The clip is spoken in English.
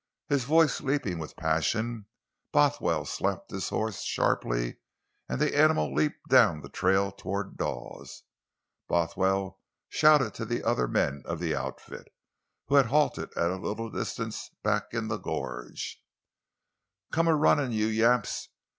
His voice leaping with passion, Bothwell slapped his horse sharply, and as the animal leaped down the trail toward Dawes, Bothwell shouted to the other men of the outfit, who had halted at a little distance back in the gorge: "Come a runnin', you yaps!